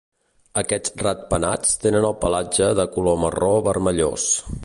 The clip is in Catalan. Aquests ratpenats tenen el pelatge de color marró vermellós.